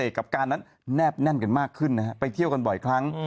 กับการนั้นแนบแน่นกันมากขึ้นนะฮะไปเที่ยวกันบ่อยครั้ง